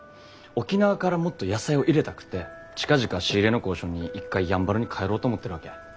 沖縄からもっと野菜を入れたくて近々仕入れの交渉に一回やんばるに帰ろうと思ってるわけ。